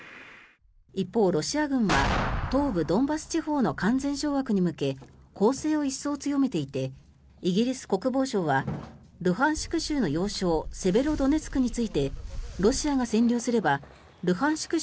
一方、ロシア軍は東部ドンバス地方の完全掌握に向け攻勢を一層強めていてイギリス国防省はルハンシク州の要衝セベロドネツクについてロシアが占領すればルハンシク